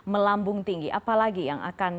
melambung tinggi apalagi yang akan